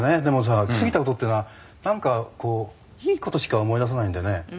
でもさ過ぎた事っていうのはなんかこういい事しか思い出さないんだよね」